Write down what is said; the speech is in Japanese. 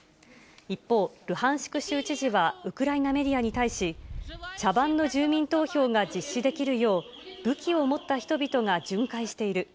一方、ルハンシク州知事はウクライナメディアに対し、茶番の住民投票が実施できるよう、武器を持った人々が巡回している。